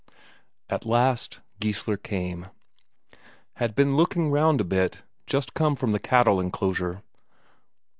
At last Geissler came. Had been looking round a bit just come from the cattle enclosure.